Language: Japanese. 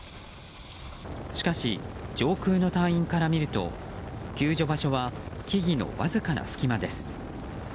しかし、上空の隊員から見ると救助場所は木々のわずかな隙間です。